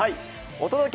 「お届け！